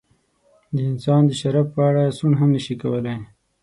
د انسان د شرف په اړه سوڼ هم نشي کولای.